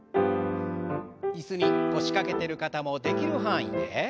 椅子に腰掛けてる方もできる範囲で。